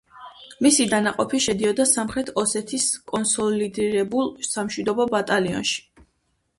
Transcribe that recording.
მისი დანაყოფი შედიოდა სამხრეთ ოსეთის კონსოლიდირებულ სამშვიდობო ბატალიონში.